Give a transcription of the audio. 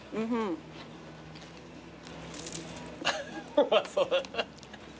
うまそう。